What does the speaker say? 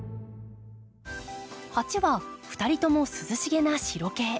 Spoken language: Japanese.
鉢は２人とも涼しげな白系。